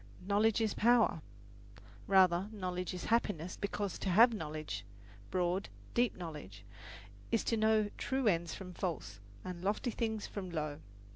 "Knowledge is power." Rather, knowledge is happiness, because to have knowledge broad, deep knowledge is to know true ends from false, and lofty things from low.